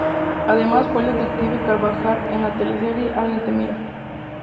Además fue el detective Carvajal en la teleserie "Alguien te mira".